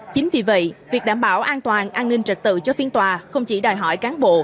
chính vì vậy việc đảm bảo an toàn an ninh trật tự cho phiên tòa không chỉ đòi hỏi cán bộ